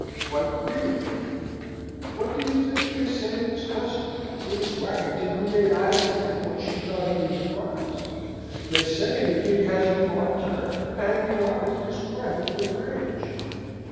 quite grieved. What do you think they say of his cousin the Miss Warrington who made eyes at him when she thought he was a prize they say the King has remarked her, and the Yarmouth is creving with rage.